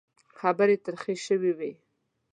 خبرې ترخې شوې وې.